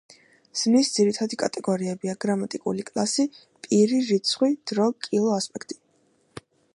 ზმნის ძირითადი კატეგორიებია: გრამატიკული კლასი, პირი, რიცხვი, დრო, კილო, ასპექტი.